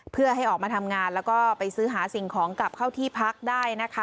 เพื่อให้ออกมาทำงานแล้วก็ไปซื้อหาสิ่งของกลับเข้าที่พักได้นะคะ